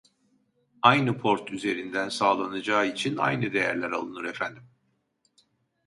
Aynı port üzerinden sağlanacağı için aynı değerler alınır efendim